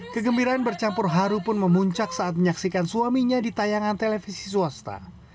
kegembiraan bercampur haru pun memuncak saat menyaksikan suaminya di tayangan televisi swasta